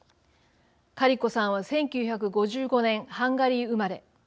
カリコさんは、１９５５年ハンガリー生まれ。